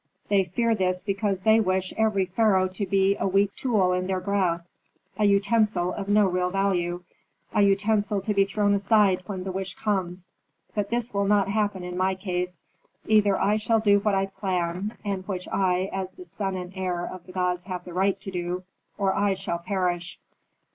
They fear this because they wish every pharaoh to be a weak tool in their grasp, a utensil of no real value, a utensil to be thrown aside when the wish comes. But this will not happen in my case. Either I shall do what I plan, and which I, as the son and heir of the gods have the right to do, or I shall perish."